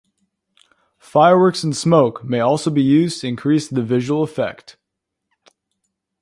Fireworks and smoke may also be used to increase the visual effect.